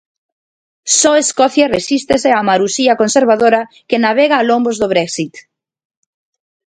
Só Escocia resístese á marusía conservadora que navega a lombos do Brexit.